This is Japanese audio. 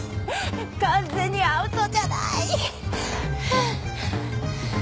完全にアウトじゃない！